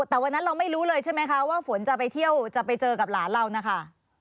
อ๋อค่ะแต่วันนั้นเราไม่รู้เลยใช่ไหมคะว่าฝนจะไปเจอกับหลานเรานะคะ